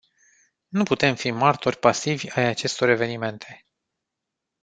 Nu putem fi martori pasivi ai acestor evenimente.